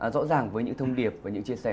rõ ràng với những thông điệp và những chia sẻ